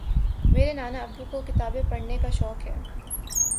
میرے نانا ابو کو کتابیں پڑھنے کا شوق ہے